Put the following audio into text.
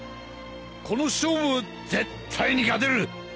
この勝負絶対に勝てる！